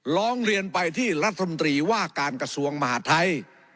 ร้องเรียนไปที่รัฐมนตรีว่าการกระทรวงมหาทัย